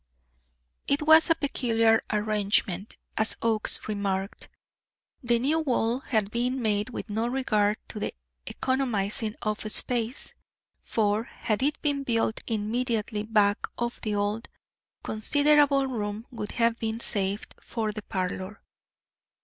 It was a peculiar arrangement. As Oakes remarked, the new wall had been made with no regard to the economizing of space; for, had it been built immediately back of the old, considerable room would have been saved for the parlor.